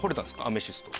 アメシスト。